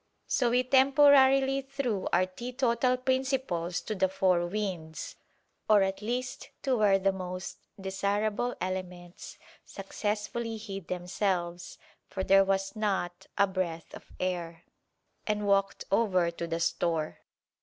So we temporarily threw our teetotal principles to the four winds (or at least to where those most desirable elements successfully hid themselves, for there was not a breath of air) and walked over to the store.